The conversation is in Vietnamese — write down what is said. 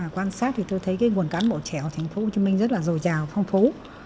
quan sát thì tôi thấy cái nguồn cán bộ trẻ ở tp hcm rất là dồi dào phong phú